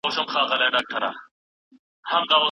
له پوهو خلکو سره ناسته ولاړه وکړئ.